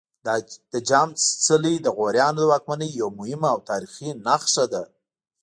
د جام څلی د غوریانو د واکمنۍ یوه مهمه او تاریخي نښه ده